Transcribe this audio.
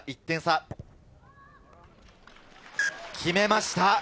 決めました！